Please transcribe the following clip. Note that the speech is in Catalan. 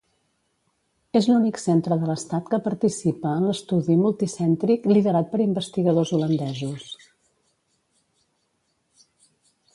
És l'únic centre de l'Estat que participa en l'estudi multicèntric liderat per investigadors holandesos.